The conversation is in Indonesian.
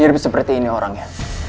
mirip seperti ini orangnya